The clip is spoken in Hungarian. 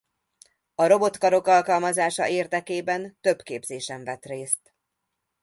A robotkarok alkalmazása érdekében több képzésen vett részt.